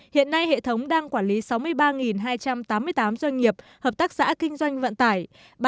hiện nay hệ thống đang quản lý sáu mươi ba hai trăm tám mươi tám doanh nghiệp hợp tác xã kinh doanh vận tải